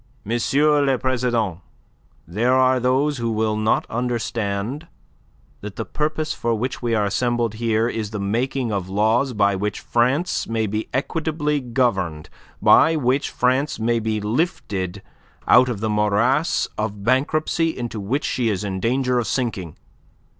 le President, there are those who will not understand that the purpose for which we are assembled here is the making of laws by which France may be equitably governed, by which France may be lifted out of the morass of bankruptcy into which she is in danger of sinking.